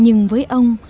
nhưng với ông